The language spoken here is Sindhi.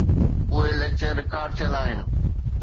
اهي ليڪچر رڪارڊ ٿيل آهن